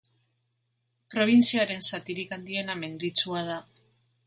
Probintziaren zatirik handiena menditsua da.